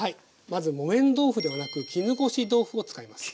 まず木綿豆腐ではなく絹ごし豆腐を使います。